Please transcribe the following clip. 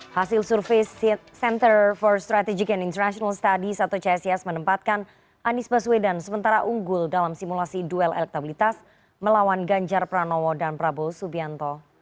hasil survei center for strategic and international studies atau csis menempatkan anies baswedan sementara unggul dalam simulasi duel elektabilitas melawan ganjar pranowo dan prabowo subianto